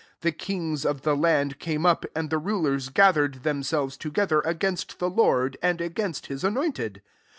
26 The kings of the land came up, and the rulers gathered themselves together, against the Lord, and against his anointed